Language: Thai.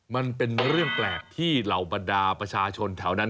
มันเป็นเรื่องแปลกที่เหล่าบรรดาประชาชนแถวนั้น